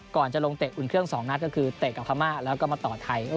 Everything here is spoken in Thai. ก่อนจะลงเตะอุ่นเครื่อง๒นัดก็คือเตะกับพม่าแล้วก็มาต่อไทย